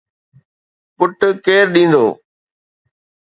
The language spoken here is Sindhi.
پٽ ڪير ڏيندو؟